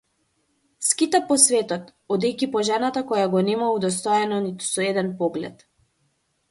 Скита по светот, одејќи по жената која го нема удостоено ниту со еден поглед.